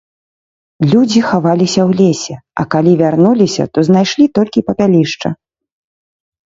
Людзі хаваліся ў лесе, а калі вярнуліся, то знайшлі толькі папялішча.